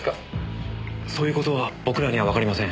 そういう事は僕らにはわかりません。